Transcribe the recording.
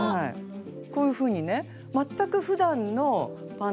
こういうふうにね全くふだんのパンツと。